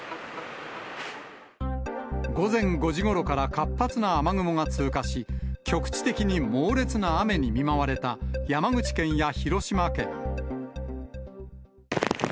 午前５時ごろから活発な雨雲が通過し、局地的に猛烈な雨に見舞われた山口県や広島県。